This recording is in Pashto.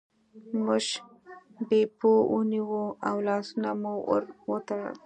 موږ بیپو ونیوه او لاسونه مو ور وتړل.